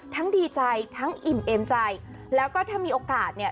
ดีใจทั้งอิ่มเอมใจแล้วก็ถ้ามีโอกาสเนี่ย